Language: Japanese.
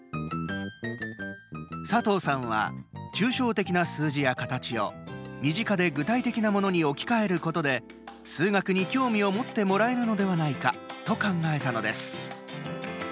佐藤さんは、抽象的な数字や形を身近で具体的なものに置き換えることで数学に興味を持ってもらえるのではないかと考えたのです。